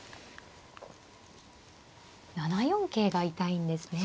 ７四桂が痛いんですね。